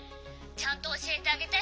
ちゃんとおしえてあげて」。